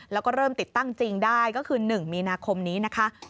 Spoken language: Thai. แล้วก็เริ่มติดตั้งจริงได้ก็คือ๑มีนาคมนี้นะคะ